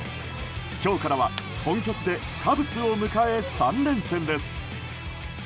今日からは本拠地でカブスを迎え、３連戦です。